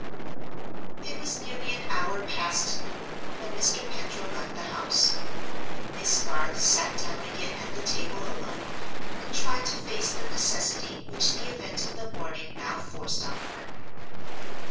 It was nearly an hour past noon when Mr. Pendril left the house. Miss Garth sat down again at the table alone, and tried to face the necessity which the event of the morning now forced on her.